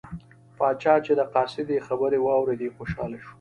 پاچا چې د قاصد خبرې واوریدې خوشحاله شو.